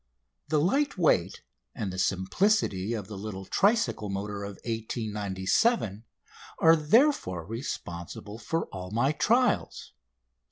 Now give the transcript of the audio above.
The light weight and the simplicity of the little tricycle motor of 1897 are, therefore, responsible for all my trials.